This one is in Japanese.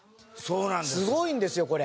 すごいんですよこれ。